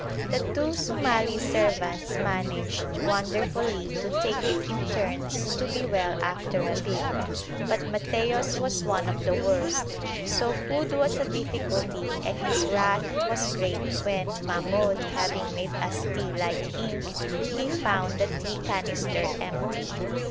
The two Somali servants managed wonderfully to take it in turns to be well after a bit, but Matthaios was one of the worst, so food was a difficulty and his wrath was great when, Mahmoud having made us tea like ink, he found the tea canister empty.